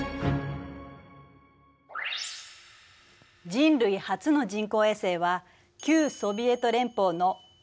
人類初の人工衛星は旧ソビエト連邦の「スプートニク１号」。